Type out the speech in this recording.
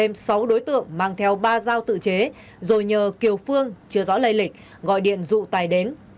thêm sáu đối tượng mang theo ba dao tự chế rồi nhờ kiều phương chưa rõ lây lịch gọi điện dụ tài đến